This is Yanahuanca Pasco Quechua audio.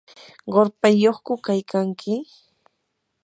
¿qurpayyuqku kaykanki?